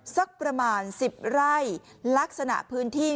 สักประมาณ๑๐ไร่ลักษณะพื้นที่